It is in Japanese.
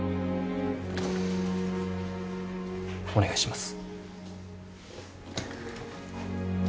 お願いします。